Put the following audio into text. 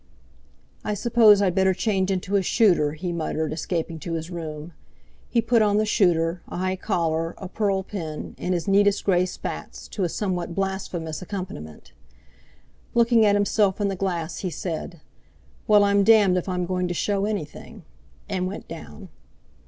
"I suppose I'd better change into a 'shooter,'" he muttered, escaping to his room. He put on the "shooter," a higher collar, a pearl pin, and his neatest grey spats, to a somewhat blasphemous accompaniment. Looking at himself in the glass, he said, "Well, I'm damned if I'm going to show anything!" and went down.